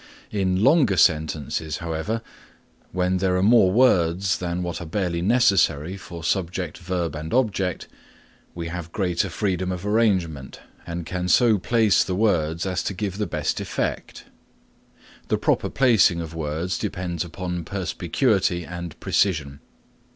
In longer sentences, however, when there are more words than what are barely necessary for subject, verb and object, we have greater freedom of arrangement and can so place the words as to give the best effect. The proper placing of words depends upon perspicuity and precision.